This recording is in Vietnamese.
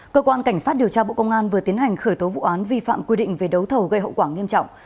cơ quan cảnh sát điều tra bộ công an vừa tiến hành khởi tố vụ án vi phạm quy định về đấu thầu gây hậu quả nghiêm trọng